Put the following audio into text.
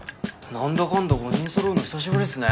なんだかんだ５人そろうの久しぶりっすね